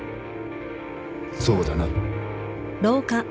そうだな。